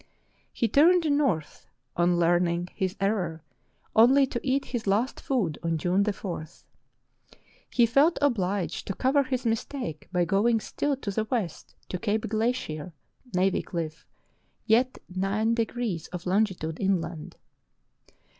He turned north on learning his error, only to eat his last food on June 4. He felt obliged to cover his mistake by going still to the west to Cape Glacier (Navy Cliff) yet 9° of longitude inland.